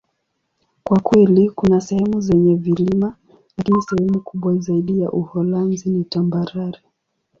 Kwa kweli, kuna sehemu zenye vilima, lakini sehemu kubwa zaidi ya Uholanzi ni tambarare.